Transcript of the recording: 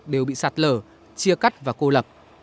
đều bị sạt lở chia cắt và cô lập